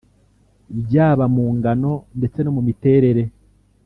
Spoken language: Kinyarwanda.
byaba mu ngano ndetse no mu miterere